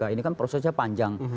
ini kan prosesnya panjang